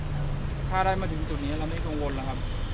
ไม่กังวลครับถ้าได้มาถึงจุดนี้แล้วไม่กังวลนะครับ